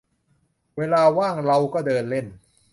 เวลาว่างเราก็เดินเล่น